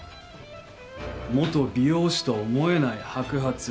元美容師とは思えない白髪。